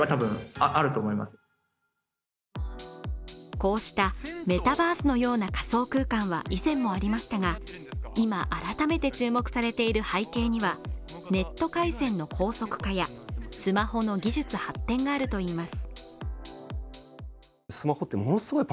こうしたメタバースのような仮想空間は、以前もありましたが、今改めて注目されている背景には、ネット回線の高速化やスマホの技術発展があるといいます。